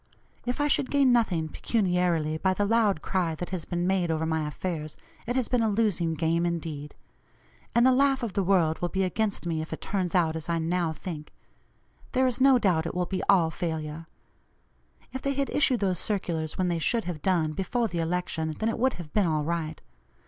If I should gain nothing pecuniarily by the loud cry that has been made over my affairs, it has been a losing game indeed. And the laugh of the world will be against me if it turns out as I now think; there is no doubt it will be all failure. If they had issued those circulars when they should have done, before the election, then it would have been all right.